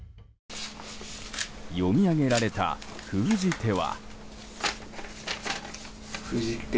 読み上げられた封じ手は。